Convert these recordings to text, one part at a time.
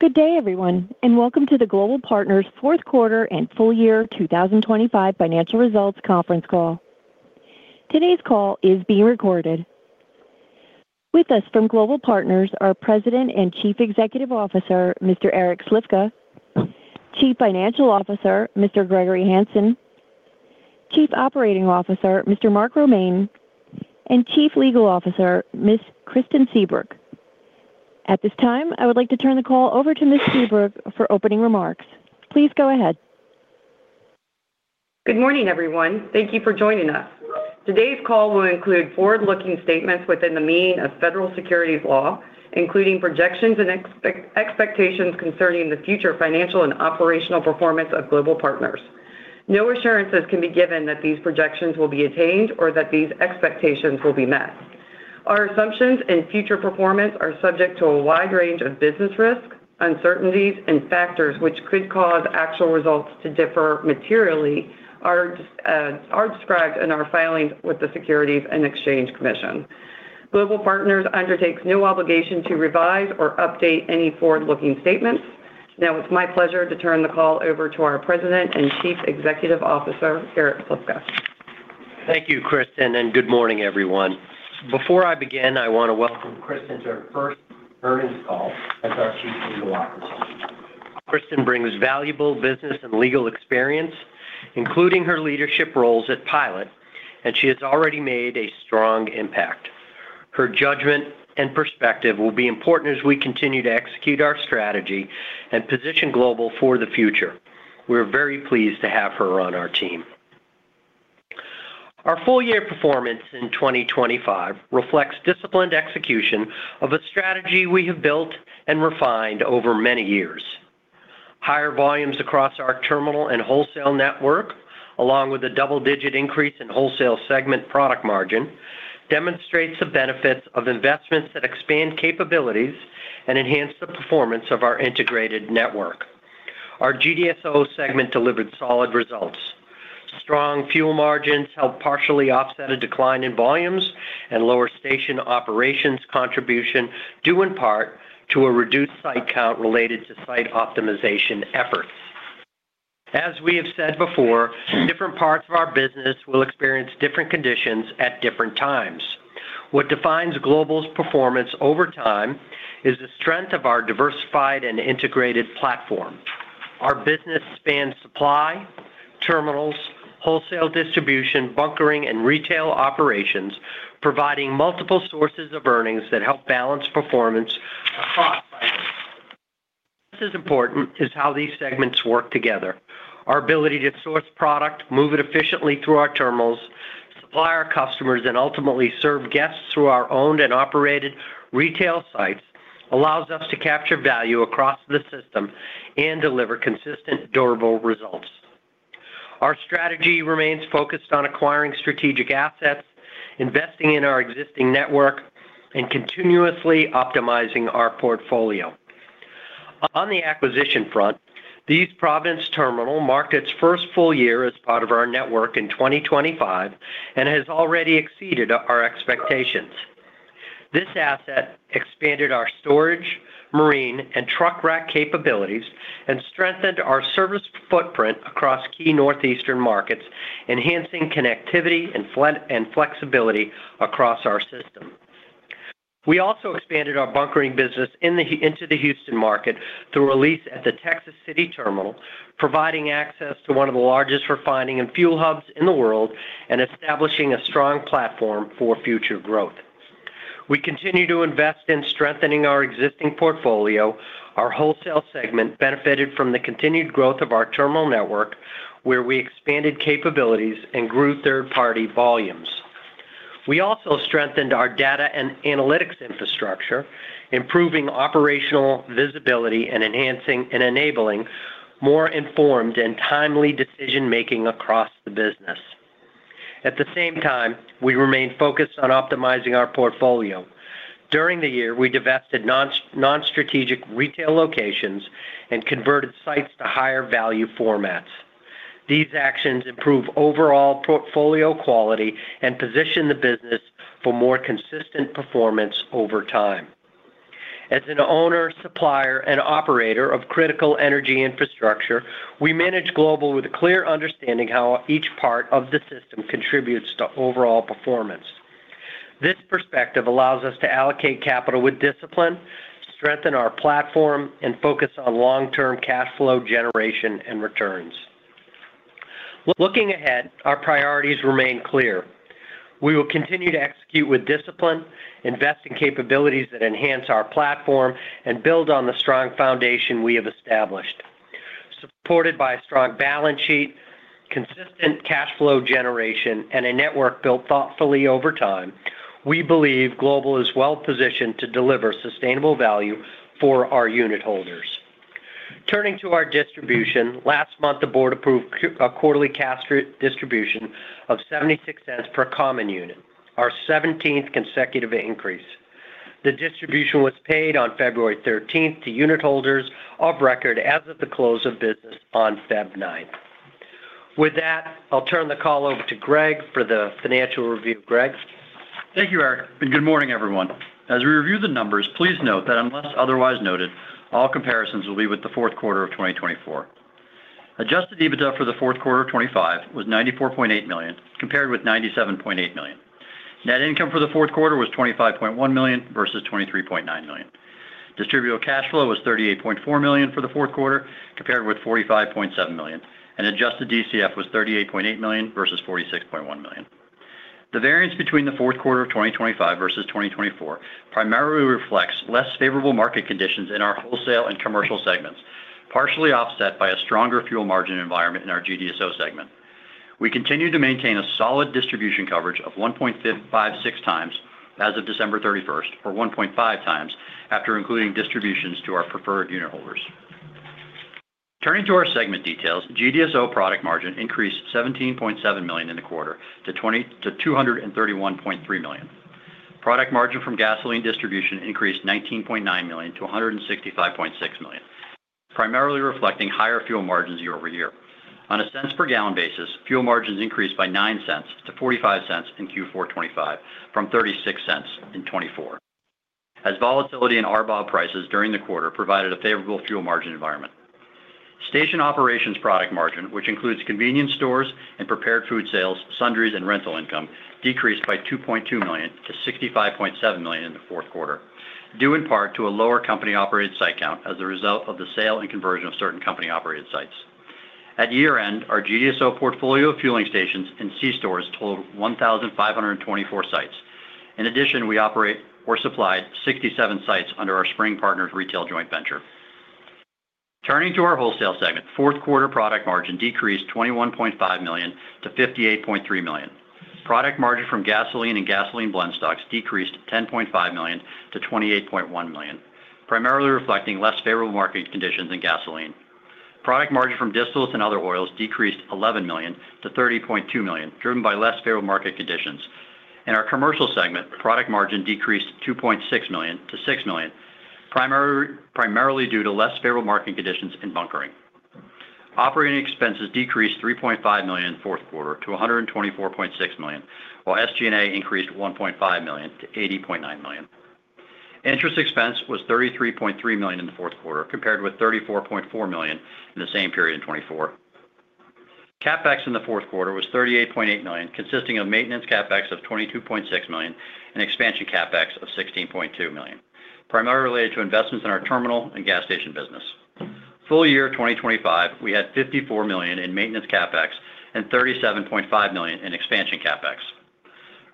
Good day, everyone, and welcome to the Global Partners' fourth quarter and full year 2025 financial results conference call. Today's call is being recorded. With us from Global Partners are President and Chief Executive Officer, Mr. Eric Slifka; Chief Financial Officer, Mr. Gregory Hanson; Chief Operating Officer, Mr. Mark Romaine; and Chief Legal Officer, Ms. Kristin Seabrook. At this time, I would like to turn the call over to Ms. Seabrook for opening remarks. Please go ahead. Good morning, everyone. Thank you for joining us. Today's call will include forward-looking statements within the meaning of federal securities law, including projections and expectations concerning the future financial and operational performance of Global Partners. No assurances can be given that these projections will be attained or that these expectations will be met. Our assumptions and future performance are subject to a wide range of business risks, uncertainties, and factors which could cause actual results to differ materially are described in our filings with the Securities and Exchange Commission. Global Partners undertakes no obligation to revise or update any forward-looking statements. It's my pleasure to turn the call over to our President and Chief Executive Officer, Eric Slifka. Thank you, Kristin. Good morning, everyone. Before I begin, I want to welcome Kristin to her first earnings call as our Chief Legal Officer. Kristin brings valuable business and legal experience, including her leadership roles at Pilot, and she has already made a strong impact. Her judgment and perspective will be important as we continue to execute our strategy and position Global for the future. We are very pleased to have her on our team. Our full-year performance in 2025 reflects disciplined execution of a strategy we have built and refined over many years. Higher volumes across our terminal and wholesale network, along with a double-digit increase in wholesale segment product margin, demonstrates the benefits of investments that expand capabilities and enhance the performance of our integrated network. Our GDSO segment delivered solid results. Strong fuel margins helped partially offset a decline in volumes and lower station operations contribution, due in part to a reduced site count related to site optimization efforts. As we have said before, different parts of our business will experience different conditions at different times. What defines Global's performance over time is the strength of our diversified and integrated platform. Our business spans supply, terminals, wholesale distribution, bunkering, and retail operations, providing multiple sources of earnings that help balance performance across cycles. Just as important is how these segments work together. Our ability to source product, move it efficiently through our terminals, supply our customers, and ultimately serve guests through our owned and operated retail sites, allows us to capture value across the system and deliver consistent, durable results. Our strategy remains focused on acquiring strategic assets, investing in our existing network, and continuously optimizing our portfolio. On the acquisition front, the East Providence Terminal marked its first full year as part of our network in 2025 and has already exceeded our expectations. This asset expanded our storage, marine, and truck rack capabilities and strengthened our service footprint across key northeastern markets, enhancing connectivity and flexibility across our system. We also expanded our bunkering business into the Houston market through a lease at the Texas City Terminal, providing access to one of the largest refining and fuel hubs in the world and establishing a strong platform for future growth. We continue to invest in strengthening our existing portfolio. Our wholesale segment benefited from the continued growth of our terminal network, where we expanded capabilities and grew third-party volumes. We also strengthened our data and analytics infrastructure, improving operational visibility and enhancing and enabling more informed and timely decision-making across the business. At the same time, we remained focused on optimizing our portfolio. During the year, we divested non-strategic retail locations and converted sites to higher value formats. These actions improve overall portfolio quality and position the business for more consistent performance over time. As an owner, supplier, and operator of critical energy infrastructure, we manage Global with a clear understanding how each part of the system contributes to overall performance. This perspective allows us to allocate capital with discipline, strengthen our platform, and focus on long-term cash flow generation and returns. Looking ahead, our priorities remain clear. We will continue to execute with discipline, invest in capabilities that enhance our platform, and build on the strong foundation we have established. Supported by a strong balance sheet, consistent cash flow generation, and a network built thoughtfully over time, we believe Global is well-positioned to deliver sustainable value for our unitholders. Turning to our distribution, last month, the board approved a quarterly cash distribution of $0.76 per common unit, our 17th consecutive increase. The distribution was paid on February 13th to unitholders of record as of the close of business on February 9. With that, I'll turn the call over to Greg for the financial review. Greg? Thank you, Eric, and good morning, everyone. As we review the numbers, please note that unless otherwise noted, all comparisons will be with the fourth quarter of 2024. Adjusted EBITDA for the fourth quarter of 2025 was $94.8 million, compared with $97.8 million. Net income for the fourth quarter was $25.1 million versus $23.9 million. Distributable Cash Flow was $38.4 million for the fourth quarter, compared with $45.7 million, and adjusted DCF was $38.8 million versus $46.1 million. The variance between the fourth quarter of 2025 versus 2024 primarily reflects less favorable market conditions in our wholesale and commercial segments, partially offset by a stronger fuel margin environment in our GDSO segment. We continue to maintain a solid distribution coverage of 1.56x as of December 31st, or 1.5x after including distributions to our preferred unitholders. Turning to our segment details, GDSO product margin increased $17.7 million in the quarter to $231.3 million. Product margin from gasoline distribution increased $19.9 million-$165.6 million, primarily reflecting higher fuel margins year-over-year. On a cents per gallon basis, fuel margins increased by $0.09-$0.45 in Q4 2025 from $0.36 in 2024, as volatility in RBOB prices during the quarter provided a favorable fuel margin environment. Station operations product margin, which includes convenience stores and prepared food sales, sundries, and rental income, decreased by $2.2 million-$65.7 million in the fourth quarter, due in part to a lower company-operated site count as a result of the sale and conversion of certain company-operated sites. At year-end, our GDSO portfolio of fueling stations and C-stores totaled 1,524 sites. In addition, we operate or supply 67 sites under our Spring Partners retail joint venture. Turning to our wholesale segment, fourth quarter product margin decreased $21.5 million-$58.3 million. Product margin from gasoline and gasoline blend stocks decreased $10.5 million-$28.1 million, primarily reflecting less favorable market conditions than gasoline. Product margin from distills and other oils decreased $11 million-$30.2 million, driven by less favorable market conditions. In our commercial segment, product margin decreased $2.6 million-$6 million, primarily due to less favorable market conditions in bunkering. Operating expenses decreased $3.5 million in the fourth quarter to $124.6 million, while SG&A increased $1.5 million-$80.9 million. Interest expense was $33.3 million in the fourth quarter, compared with $34.4 million in the same period in 2024. CapEx in the fourth quarter was $38.8 million, consisting of maintenance CapEx of $22.6 million and expansion CapEx of $16.2 million, primarily related to investments in our terminal and gas station business. Full year 2025, we had $54 million in maintenance CapEx and $37.5 million in expansion CapEx.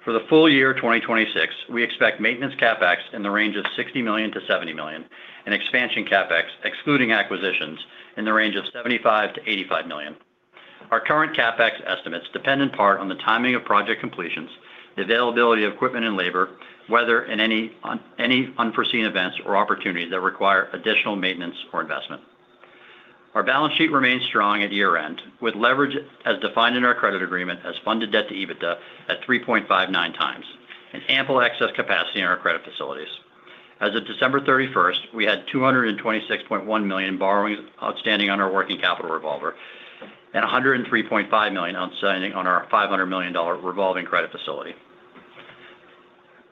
For the full year 2026, we expect maintenance CapEx in the range of $60 million-$70 million and expansion CapEx, excluding acquisitions, in the range of $75 million-$85 million. Our current CapEx estimates depend in part on the timing of project completions, the availability of equipment and labor, whether in any unforeseen events or opportunities that require additional maintenance or investment. Our balance sheet remains strong at year-end, with leverage as defined in our credit agreement as Funded Debt to EBITDA at 3.59x and ample excess capacity in our credit facilities. As of December 31st, we had $226.1 million borrowings outstanding on our working capital revolver and $103.5 million outstanding on our $500 million revolving credit facility.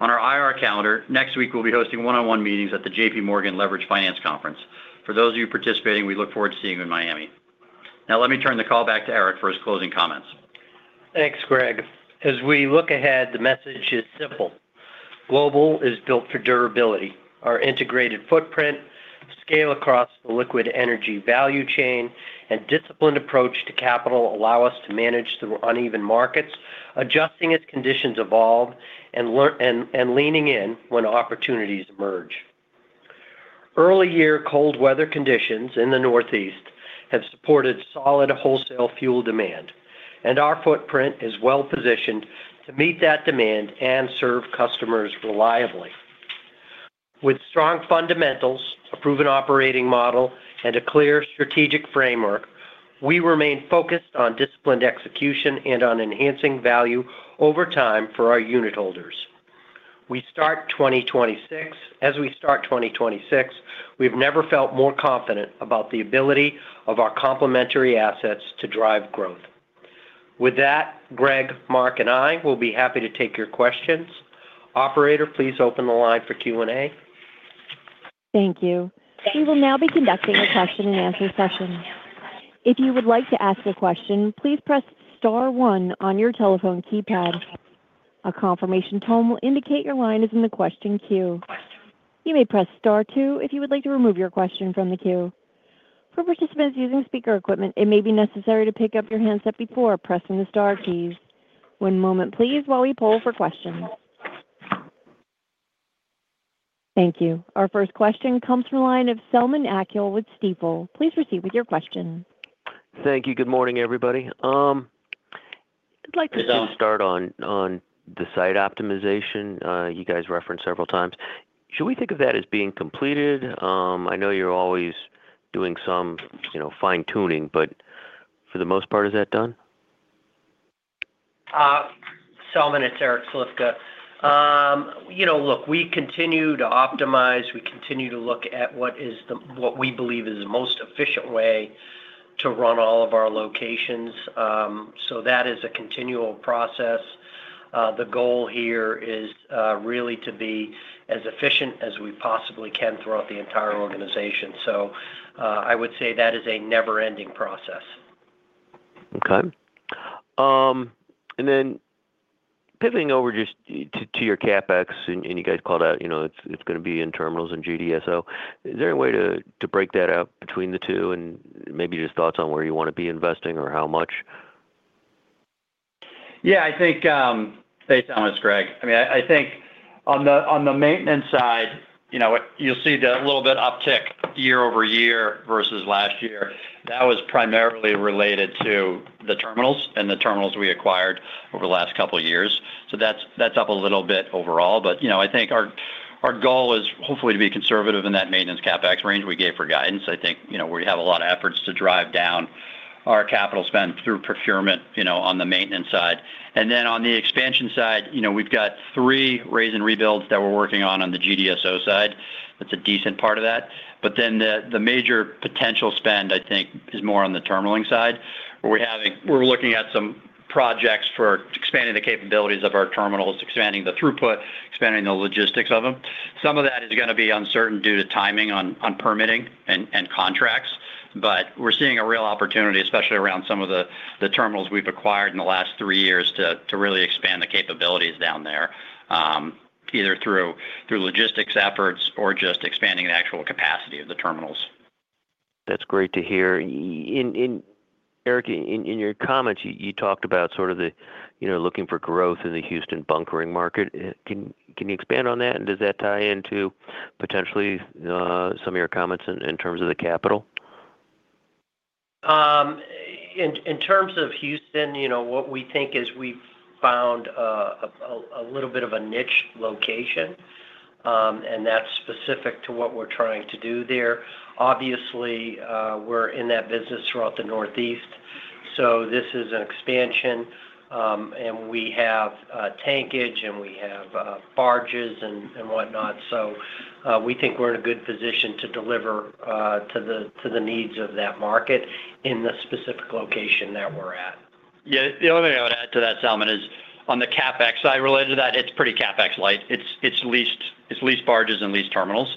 On our IR calendar, next week, we'll be hosting one-on-one meetings at the J.P. Morgan Leveraged Finance Conference. For those of you participating, we look forward to seeing you in Miami. Let me turn the call back to Eric for his closing comments. Thanks, Greg. As we look ahead, the message is simple: Global is built for durability. Our integrated footprint, scale across the liquid energy value chain, and disciplined approach to capital allow us to manage through uneven markets, adjusting as conditions evolve and leaning in when opportunities emerge. Early year cold weather conditions in the Northeast have supported solid wholesale fuel demand, our footprint is well positioned to meet that demand and serve customers reliably. With strong fundamentals, a proven operating model, and a clear strategic framework, we remain focused on disciplined execution and on enhancing value over time for our unitholders. As we start 2026, we've never felt more confident about the ability of our complementary assets to drive growth. With that, Greg, Mark, and I will be happy to take your questions. Operator, please open the line for Q&A. Thank you. We will now be conducting a question and answer session. If you would like to ask a question, please press star one on your telephone keypad. A confirmation tone will indicate your line is in the question queue. You may press star two if you would like to remove your question from the queue. For participants using speaker equipment, it may be necessary to pick up your handset before pressing the star keys. One moment, please, while we poll for questions. Thank you. Our first question comes from the line of Selman Akyol with Stifel. Please proceed with your question. Thank you. Good morning, everybody. I'd like to start on the site optimization, you guys referenced several times. Should we think of that as being completed? I know you're always doing some, you know, fine-tuning, but for the most part, is that done? Selman, it's Eric Slifka. You know, look, we continue to optimize, we continue to look at what we believe is the most efficient way to run all of our locations. That is a continual process. The goal here is really to be as efficient as we possibly can throughout the entire organization. I would say that is a never-ending process. Okay. Pivoting over just to your CapEx, and you guys called out, you know, it's gonna be in terminals and GDSO. Is there any way to break that up between the two? Maybe just thoughts on where you wanna be investing or how much? Hey, Selman, it's Greg. I think on the maintenance side, you know, you'll see the little bit uptick year-over-year versus last year. That was primarily related to the terminals and the terminals we acquired over the last couple of years. That's up a little bit overall. You know, I think our goal is hopefully to be conservative in that maintenance CapEx range we gave for guidance. I think, you know, we have a lot of efforts to drive down our capital spend through procurement, you know, on the maintenance side. On the expansion side, you know, we've got three raze and rebuilds that we're working on on the GDSO side. That's a decent part of that. The major potential spend, I think, is more on the terminaling side, where we're looking at some projects for expanding the capabilities of our terminals, expanding the throughput, expanding the logistics of them. Some of that is gonna be uncertain due to timing on permitting and contracts, but we're seeing a real opportunity, especially around some of the terminals we've acquired in the last three years, to really expand the capabilities down there, either through logistics efforts or just expanding the actual capacity of the terminals. That's great to hear. Eric, in your comments, you talked about sort of the, you know, looking for growth in the Houston bunkering market. Can you expand on that? Does that tie into potentially, some of your comments in terms of the capital? In terms of Houston, you know, what we think is we've found a little bit of a niche location, and that's specific to what we're trying to do there. Obviously, we're in that business throughout the Northeast. This is an expansion, and we have tankage, and we have barges and whatnot. We think we're in a good position to deliver to the needs of that market in the specific location that we're at. Yeah. The only thing I would add to that, Selman, is on the CapEx side related to that, it's pretty CapEx light. It's leased, it's leased barges and leased terminals.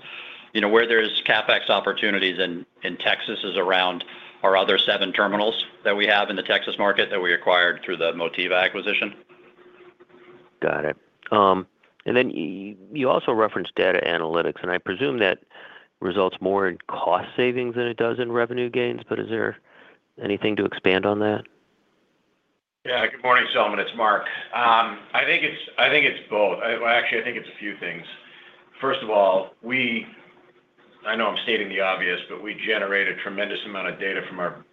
You know, where there's CapEx opportunities in Texas is around our other seven terminals that we have in the Texas market that we acquired through the Motiva acquisition. Got it. Then you also referenced data analytics, and I presume that results more in cost savings than it does in revenue gains, but is there anything to expand on that? Good morning, Selman, it's Mark. I think it's both. Well, actually, I think it's a few things. First of all, I know I'm stating the obvious, but we generate a tremendous amount of data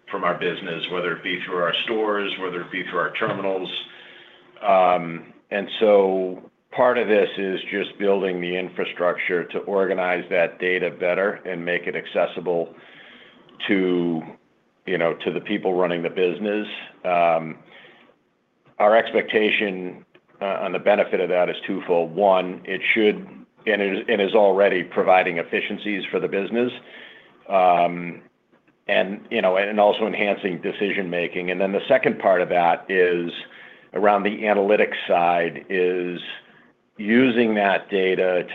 from our business, whether it be through our stores, whether it be through our terminals. Part of this is just building the infrastructure to organize that data better and make it accessible to, you know, to the people running the business. Our expectation on the benefit of that is twofold. One, it should, and is already providing efficiencies for the business, and, you know, also enhancing decision-making. The second part of that is around the analytics side, is using that data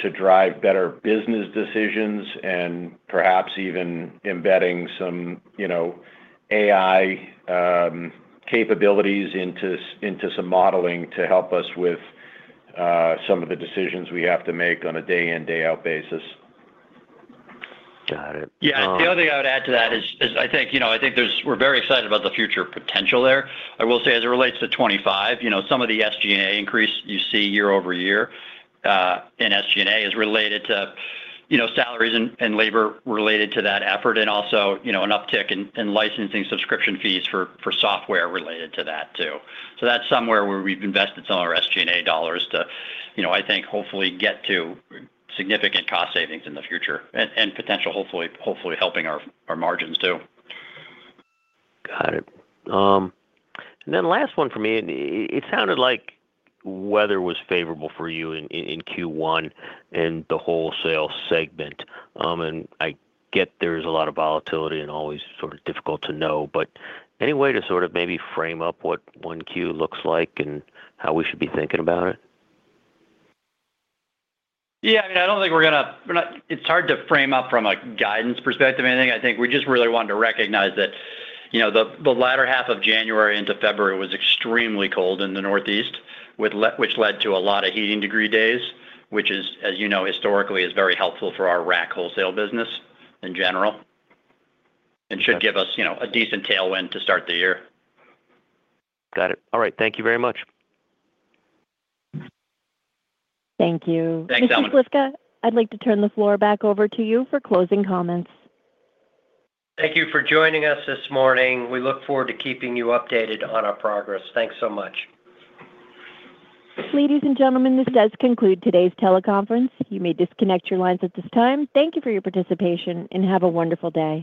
to drive better business decisions and perhaps even embedding some, you know, AI capabilities into some modeling to help us with some of the decisions we have to make on a day in, day out basis. Got it. The other thing I would add to that is I think, you know, I think we're very excited about the future potential there. I will say, as it relates to 25, you know, some of the SG&A increase you see year-over-year in SG&A is related to, you know, salaries and labor related to that effort, and also, you know, an uptick in licensing subscription fees for software related to that, too. That's somewhere where we've invested some of our SG&A dollars to, you know, I think, hopefully get to significant cost savings in the future and potential, hopefully helping our margins, too. Got it. Then last one for me. It sounded like weather was favorable for you in Q1 in the wholesale segment. I get there's a lot of volatility and always sort of difficult to know, but any way to sort of maybe frame up what 1Q looks like and how we should be thinking about it? Yeah, I mean, I don't think It's hard to frame up from a guidance perspective or anything. I think we just really wanted to recognize that, you know, the latter half of January into February was extremely cold in the Northeast, which led to a lot of heating degree days, which is, as you know, historically, is very helpful for our rack wholesale business in general. should give us, you know, a decent tailwind to start the year. Got it. All right. Thank you very much. Thank you. Thanks, Selman. Mr. Slifka, I'd like to turn the floor back over to you for closing comments. Thank you for joining us this morning. We look forward to keeping you updated on our progress. Thanks so much. Ladies and gentlemen, this does conclude today's teleconference. You may disconnect your lines at this time. Thank you for your participation, and have a wonderful day.